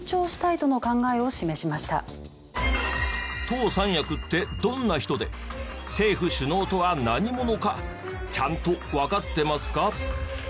党三役ってどんな人で政府首脳とは何者かちゃんとわかってますか？